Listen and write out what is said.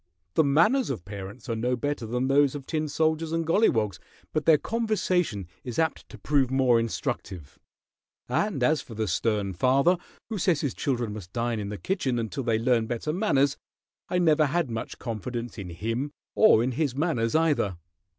The manners of parents are no better than those of tin soldiers and golliwogs, but their conversation is apt to prove more instructive; and as for the stern father who says his children must dine in the kitchen until they learn better manners, I never had much confidence in him or in his manners, either."